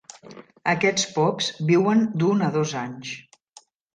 Aquests pops viuen d'un a dos anys.